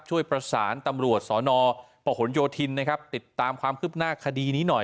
ช่วยประสานตำรวจสนประหลโยธินนะครับติดตามความคืบหน้าคดีนี้หน่อย